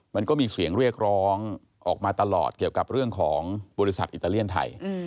มันก็มีเสียงเรียกร้องออกมาตลอดเกี่ยวกับเรื่องของบริษัทอิตาเลียนไทย